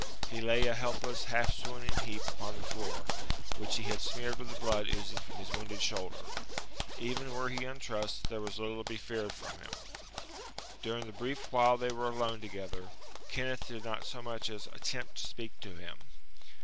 He lay a helpless, half swooning heap upon the floor, which he had smeared with the blood oozing from his wounded shoulder. Even were he untrussed, there was little to be feared from him. During the brief while they were alone together, Kenneth did not so much as attempt to speak to him.